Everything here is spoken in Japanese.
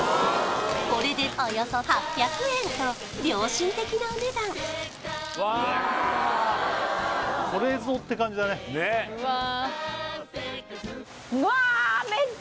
これでおよそ８００円と良心的なお値段うわーっ